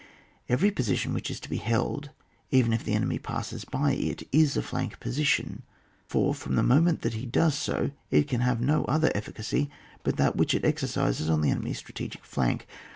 Every position which is to be held, even if the enemy passes by it, is a flank position; for from the moment that he does so it can have no other efficacy but that which it exercises on the enemy's strategic flank.